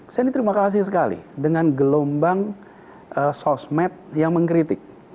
saya ini terima kasih sekali dengan gelombang sosmed yang mengkritik